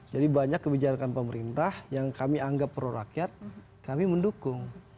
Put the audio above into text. jadi banyak kebijakan pemerintah yang kami anggap prorakyat kami mendukung